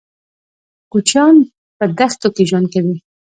کوچيان په دښتو کې ژوند کوي.